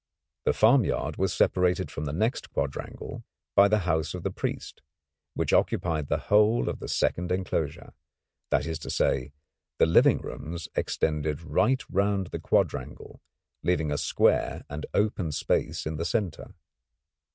This farmyard was separated from the next quadrangle by the house of the priest, which occupied the whole of the second enclosure; that is to say the living rooms extended right round the quadrangle, leaving a square and open space in the centre.